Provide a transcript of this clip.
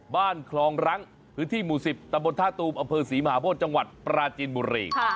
บ้านคลองรังพื้นที่หมู่๑๐ตะบนท่าตูมอำเภอศรีมหาโพธิจังหวัดปราจีนบุรี